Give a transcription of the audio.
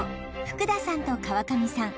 福田さんと川上さん